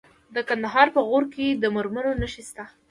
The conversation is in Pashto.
د کندهار په غورک کې د مرمرو نښې شته.